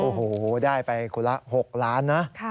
โอ้โหได้ไปคนละ๖ล้านนะ